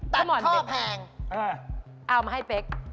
ตัดข้อแพงเอามาให้เป๊ก